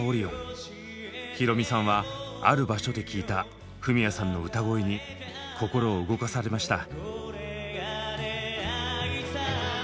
ヒロミさんはある場所で聴いたフミヤさんの歌声に心を動かされました。